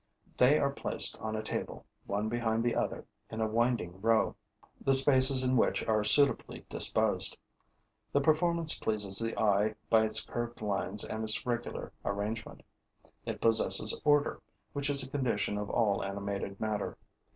They are placed on a table, one behind the other, in a winding row, the spaces in which are suitably disposed. The performance pleases the eye by its curved lines and its regular arrangement. It possesses order, which is a condition of all animated matter.